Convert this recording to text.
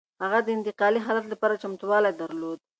هغه د انتقالي حالت لپاره چمتووالی درلود.